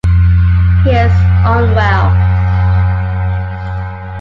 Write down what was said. He is unwell.